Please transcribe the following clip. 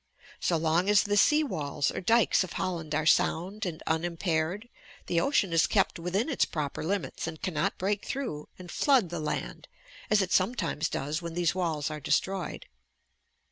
So long as the sea walls or dykes of Holland are sound and unimpaired, the ocean is kept within its proper limits and cannot break through and flood the land as it sometimes does when these walls are destroyed.